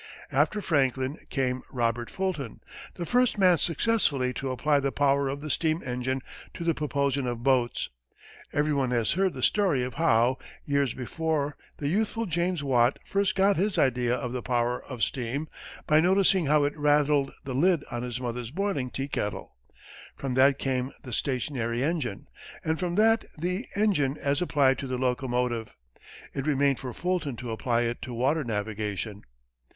After Franklin, came Robert Fulton, the first man successfully to apply the power of the steam engine to the propulsion of boats. Everyone has heard the story of how, years before, the youthful James Watt first got his idea of the power of steam by noticing how it rattled the lid on his mother's boiling teakettle. From that came the stationary engine, and from that the engine as applied to the locomotive. It remained for Fulton to apply it to water navigation.